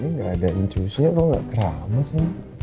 gak ada yang cuci kok gak keramas ya